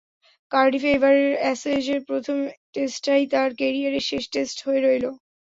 কার্ডিফে এবারের অ্যাশেজের প্রথম টেস্টটাই তাঁর ক্যারিয়ারের শেষ টেস্ট হয়ে রইল।